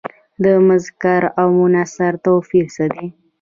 د مذکر او مونث توپیر سخت دی.